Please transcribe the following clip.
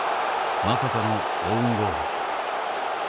まさかのオウンゴール。